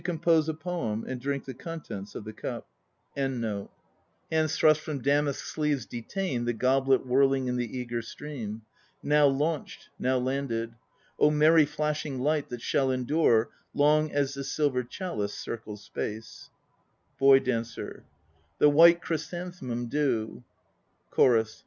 Circling from hand to hand; 1 As at the Feast of Floating Cups 2 Hands thrust from damask sleeves detain The goblet whirling in the eager stream; Now launched, now landed! * Oh merry flashing light, that shall endure Long as the Silver Chalice 4 circles space. BOY DANCER. The white chrysanthem dew, CHORUS.